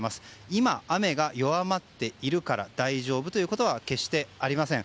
今、雨が弱まっているから大丈夫ということは決してありません。